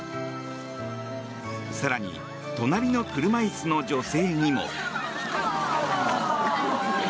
更に隣の車椅子の女性にも。